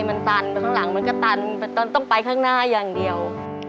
มันตันไปข้างหลังมันก็ตันต้องไปข้างหน้าอย่างเดียว